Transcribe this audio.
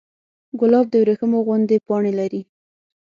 ګلاب د وریښمو غوندې پاڼې لري.